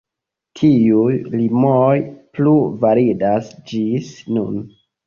Tiuj limoj plu validas ĝis nun.